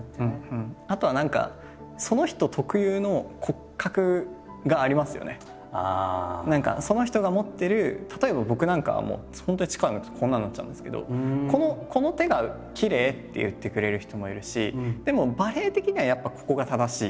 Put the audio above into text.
あとは何か何かその人が持ってる例えば僕なんかは本当に力抜くとこんなになっちゃうんですけどこの手がきれいって言ってくれる人もいるしでもバレエ的にはやっぱここが正しい。